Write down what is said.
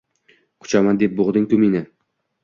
Quchaman deb bo’g’ding-ku meni